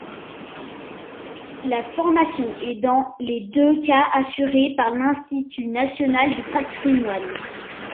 La formation est dans les deux cas assurée par l'Institut national du patrimoine.